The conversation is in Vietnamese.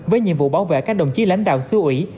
với nhiệm vụ bảo vệ các đồng chí lãnh đạo xứ ủy